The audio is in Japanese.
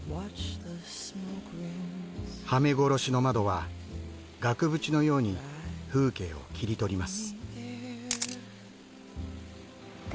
はめ殺しの窓は額縁のように風景を切り取ります。